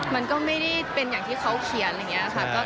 มันก็ไม่ได้เป็นอย่างที่เขาเขียนอะไรอย่างนี้ค่ะ